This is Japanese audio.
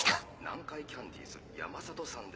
南海キャンディーズ・山里さんです。